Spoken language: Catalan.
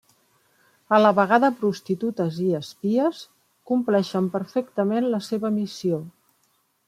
A la vegada prostitutes i espies, compleixen perfectament la seva missió.